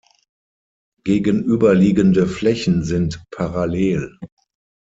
Gegenüberliegende Flächen sind parallel.